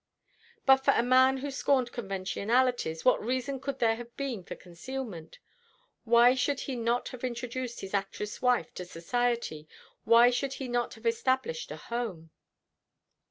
"But for a man who scorned conventionalities, what reason could there have been for concealment? Why should he not have introduced his actress wife to society? Why should he not have established a home?"